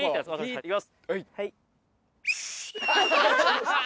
行きます！